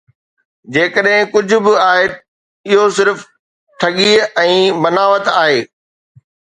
جيڪڏهن ڪجهه به آهي، اهو صرف ٺڳيءَ ۽ بناوٽ آهي